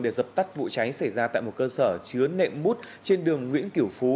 để dập tắt vụ cháy xảy ra tại một cơ sở chứa nệm mút trên đường nguyễn kiểu phú